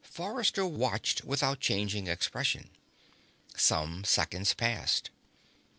Forrester watched without changing expression. Some seconds passed.